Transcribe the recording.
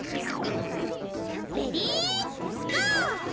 レディーゴー！